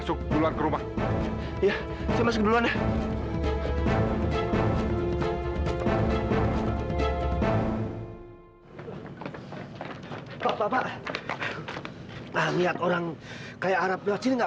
sampai jumpa di video selanjutnya